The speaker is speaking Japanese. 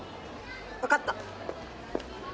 分かった。